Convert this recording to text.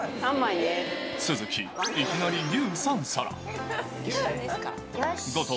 スズキ、いきなり牛３皿。